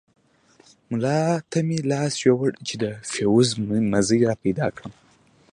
ملا ته مې لاس يووړ چې د فيوز مزي راپيدا کړم.